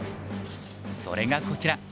それがこちら。